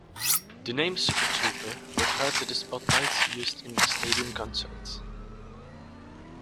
The name "Super Trouper" referred to the spotlights used in stadium concerts.